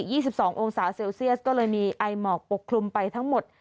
ี่สิบสององศาเซลเซียสก็เลยมีไอหมอกปกคลุมไปทั้งหมด